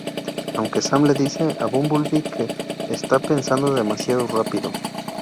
Aunque Sam le dice a Bumblebee que está pensando demasiado rápido.